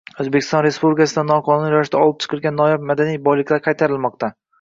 O‘zbekiston Respublikasidan noqonuniy ravishda olib chiqilgan noyob madaniy boyliklar qaytarilmoqda